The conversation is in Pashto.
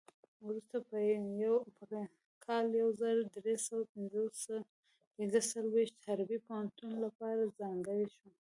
وروسته په کال یو زر درې سوه پنځه څلوېښت حربي پوهنتون لپاره ځانګړی شو.